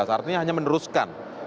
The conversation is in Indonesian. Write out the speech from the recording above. artinya hanya meneruskan